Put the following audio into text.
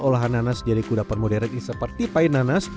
olahan nanas jadi kuda pemoderan yang seperti pai nanas